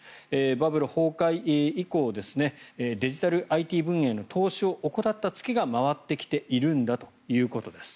バブル崩壊以降デジタルＩＴ分野への投資を怠った付けが回ってきているんだということです。